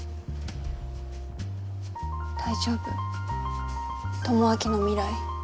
大丈夫智明の未来